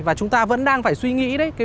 và chúng ta vẫn đang phải suy nghĩ